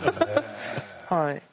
はい。